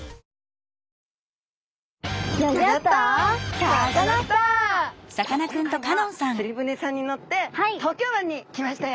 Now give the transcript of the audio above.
今回は釣り船さんに乗って東京湾に来ましたよ。